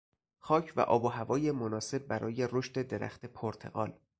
خاک و آب و هوای مناسب برای رشد درخت پرتقال